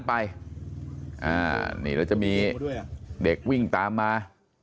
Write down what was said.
ไปนี่จะมีเด็กวิ่งตามมา